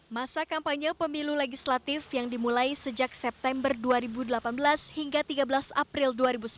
masa kampanye pemilu legislatif yang dimulai sejak september dua ribu delapan belas hingga tiga belas april dua ribu sembilan belas